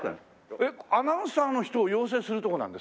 えっアナウンサーの人を養成するとこなんですか？